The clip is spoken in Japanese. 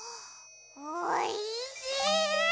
おいしい！